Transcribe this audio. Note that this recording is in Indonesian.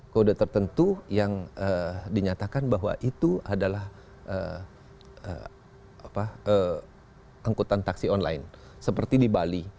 kode tertentu yang dinyatakan bahwa itu adalah angkutan taksi online seperti di bali